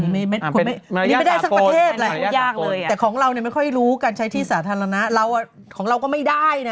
อันนี้ไม่ได้สักประเทศแหละแต่ของเราเนี่ยไม่ค่อยรู้การใช้ที่สาธารณะเราของเราก็ไม่ได้นะ